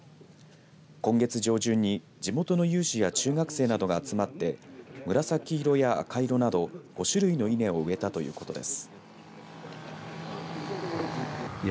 今月上旬に地元の有志や中学生などが集まって紫色や赤色など５種類の稲を植えたということです。